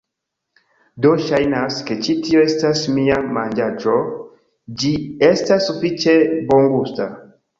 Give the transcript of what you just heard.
Do, ŝajnas, ke ĉi tio estas mia manĝaĵo ĝi estas sufiĉe bongusta